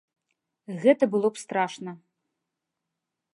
Гэта было б страшна!